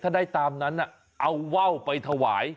ถ้าได้ตามนั้นเอาว่าวไปถวาย